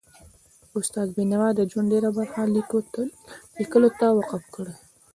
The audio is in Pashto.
استاد بینوا د ژوند ډېره برخه لیکلو ته وقف کړي وه.